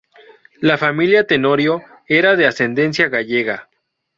La familia Tenorio era de ascendencia gallega.